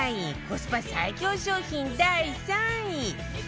コスパ最強商品第３位